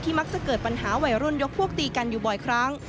มักจะเกิดปัญหาวัยรุ่นยกพวกตีกันอยู่บ่อยครั้ง